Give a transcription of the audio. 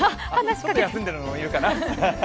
休んでいるのもいるかな。